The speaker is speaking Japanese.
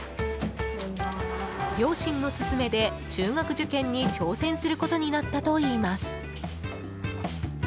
両親の勧めで中学受験に挑戦することになったといいます。